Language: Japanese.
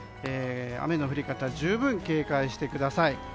雨の降り方十分警戒してください。